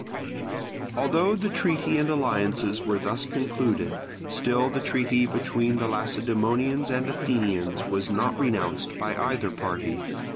Although the treaty and alliances were thus concluded, still the treaty between the Lacedaemonians and Athenians was not renounced by either party.